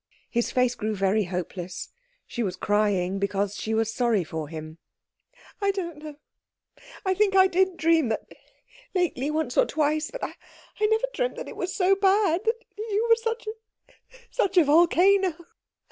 His face grew very hopeless. She was crying because she was sorry for him. "I don't know I think I did dream that lately once or twice but I never dreamt that it was so bad that you were such a such a such a volcano.